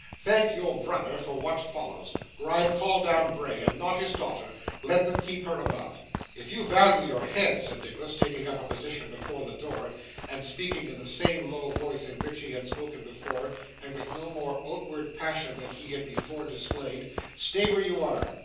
Thank your brother for what follows. Gride, call down Bray and not his daughter. Let them keep her above.' 'If you value your head,' said Nicholas, taking up a position before the door, and speaking in the same low voice in which he had spoken before, and with no more outward passion than he had before displayed; 'stay where you are!